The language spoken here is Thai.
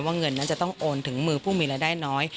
เงินนั้นจะต้องโอนถึงมือผู้มีรายได้น้อย